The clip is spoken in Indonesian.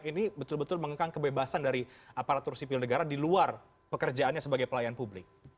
ini betul betul mengekang kebebasan dari aparatur sipil negara di luar pekerjaannya sebagai pelayan publik